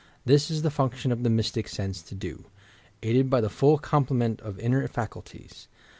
This is the function of the Mystic Sense to do, aided by the full complement of inner facnltiea.